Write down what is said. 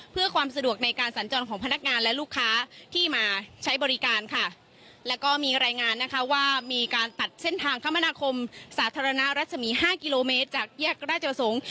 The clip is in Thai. เพื่อความสะดวกในการสัญจรของพนักงานและลูกค้าที่มาใช้บริการค่ะแล้วก็มีรายงานนะคะว่ามีการตัดเส้นทางคมนาคมสาธารณะรัศมีห้ากิโลเมตรจากแยกราชประสงค์